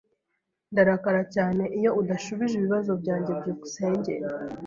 Ndarakara cyane iyo udasubije ibibazo byanjye. byukusenge